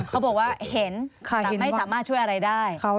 เขาบอกว่าเห็นแต่ไม่สามารถช่วยอะไรได้